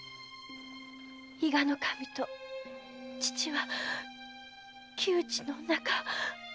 伊賀守と父は旧知の仲。